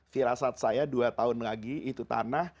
firasat saya dua tahun lagi itu tanah